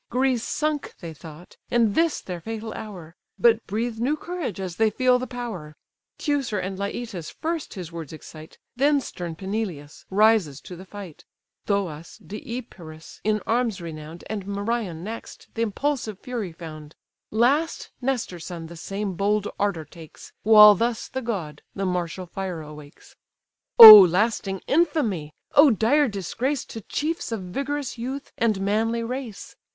Greece sunk they thought, and this their fatal hour; But breathe new courage as they feel the power. Teucer and Leitus first his words excite; Then stern Peneleus rises to the fight; Thoas, Deipyrus, in arms renown'd, And Merion next, the impulsive fury found; Last Nestor's son the same bold ardour takes, While thus the god the martial fire awakes: "Oh lasting infamy, oh dire disgrace To chiefs of vigorous youth, and manly race!